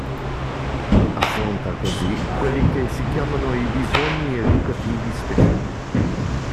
Affronta così quelli che si chiamano i bisogni educativi speciali.